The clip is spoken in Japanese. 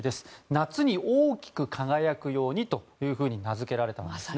夏に大きく輝くようにというふうに名付けられたんですね。